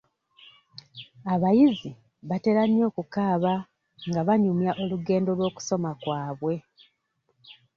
Abayizi batera nnyo okukaaba nga banyumya olugendo lw'okusoma kwabwe.